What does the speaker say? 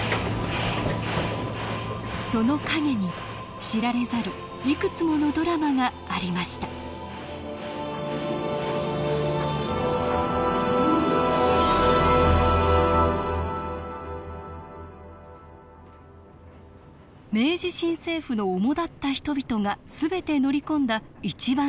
その陰に知られざるいくつものドラマがありました明治新政府のおもだった人々が全て乗り込んだ一番